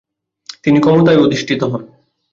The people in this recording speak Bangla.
তিনি ক্ষমতায় অধিষ্ঠিত হন।